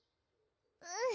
うん